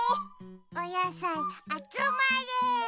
おやさいあつまれ。